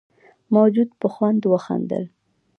موجود په خوند وخندل.